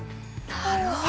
なるほど。